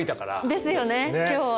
ですよね今日は。